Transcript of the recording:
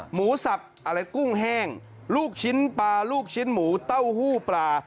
หมูสับอะไรกุ้งแห้งลูกชิ้นปลาลูกชิ้นหมูเต้าหู้ปลา